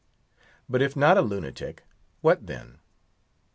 But if not a lunatic, what then?